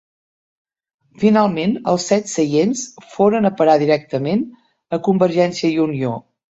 Finalment els set seients foren a parar directament a Convergència i Unió.